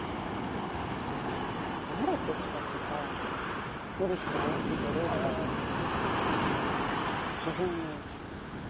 慣れてきたとか無理して合わせてるとかじゃなくて自然においしい。